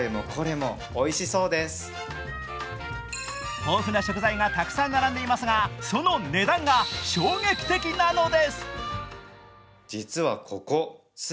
豊富な食材がたくさん並んでいますがその値段が衝撃的なのです。